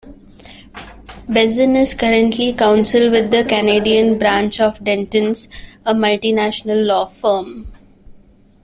Bazin is currently counsel with the Canadian branch of Dentons, a multinational law firm.